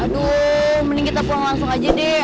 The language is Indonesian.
aduh mending kita pulang langsung aja deh